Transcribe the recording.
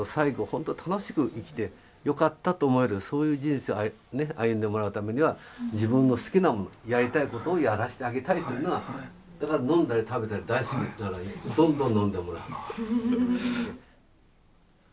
ほんと楽しく生きてよかったと思えるそういう人生を歩んでもらうためには自分の好きなものやりたいことをやらせてあげたいというのはだから飲んだり食べたり大好きだったらどんどん飲んでもらう。